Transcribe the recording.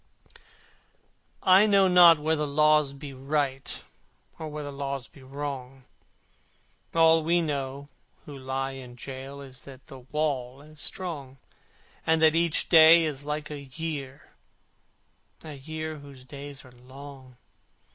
V I know not whether Laws be right, Or whether Laws be wrong; All that we know who lie in gaol Is that the wall is strong; And that each day is like a year, A year whose days are long.